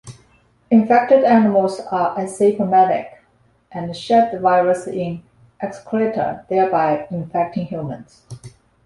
Infected animals are asymptomatic and shed the virus in excreta, thereby infecting humans.